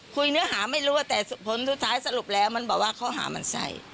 คุยเนื้อหาไม่รู้แต่สุดท้ายสรุปแล้วมันบอกว่าเขาหามันใส่